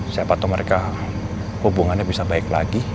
siapa tahu mereka hubungannya bisa baik lagi